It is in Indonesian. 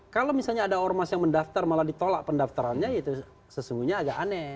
kalau misalnya ada ormas yang mendaftar malah ditolak pendaftarannya itu sesungguhnya agak aneh